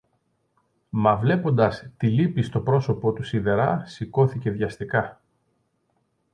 Μα βλέποντας τη λύπη στο πρόσωπο του σιδερά σηκώθηκε βιαστικά